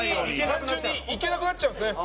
単純に行けなくなっちゃうんですね。